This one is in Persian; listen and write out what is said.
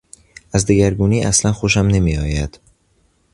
از دگرگونی اصلا خوشم نمیآید.